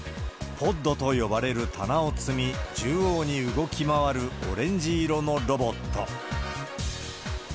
ポッドと呼ばれる棚を積み、縦横に動き回るオレンジ色のロボット。